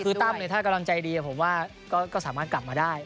คือตั้มถ้ากำลังใจดีผมว่าก็สามารถกลับมาได้